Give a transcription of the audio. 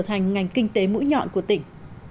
trở thành ngành kinh tế mũi nhọn của tỉnh